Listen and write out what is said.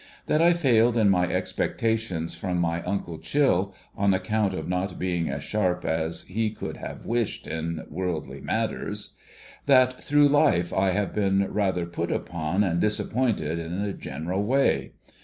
That I failed in my expectations from my uncle Chill, on account of not being as sharp as he could have wished in worldly matters. That, through life, I have been rather put upon and disajjpointed in a general way.